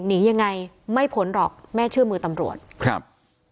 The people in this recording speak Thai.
หนียังไงไม่ผลหรอกแม่เชื่อมือตำรวจครับ